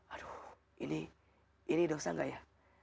aduh ini dosa gak ya